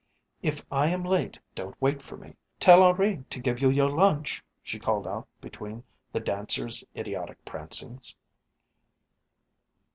"If I am late don't wait for me. Tell Henri to give you your lunch," she called out between The Dancer's idiotic prancings.